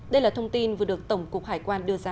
đây là thông tin vừa được tổng cục hải quan đưa ra